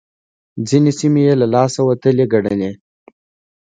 ځينې سيمې يې له لاسه وتلې ګڼلې.